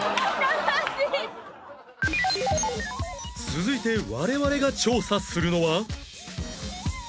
続いて我々が調査するのは